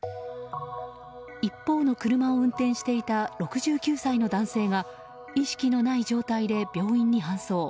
一方の車を運転していた６９歳の男性が意識のない状態で病院に搬送。